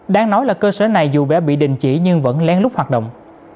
đáng nói là cơ sở này dù đã bị đình chỉ nhưng vẫn lén lút hoạt động